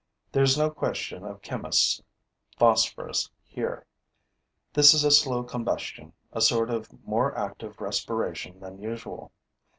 There is no question of chemist's phosphorus here. This is a slow combustion, a sort of more active respiration than usual.